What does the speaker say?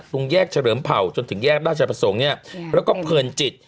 ตรงแยกเฉลิมเผ่าจนถึงแยกราชประสงค์เนี่ยแล้วก็เพลินจิต